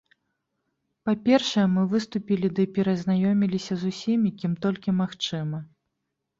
Па-першае, мы выступілі ды перазнаёміліся з усімі, кім толькі магчыма.